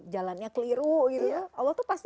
jalannya keliru gitu ya allah tuh pasti